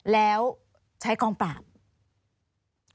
แล้วใช้กองปราบ